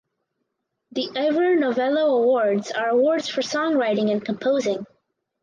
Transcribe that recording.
The Ivor Novello Awards are awards for songwriting and composing.